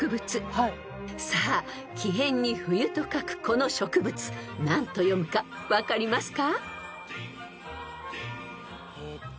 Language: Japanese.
［さあ木へんに冬と書くこの植物何と読むか分かりますか？］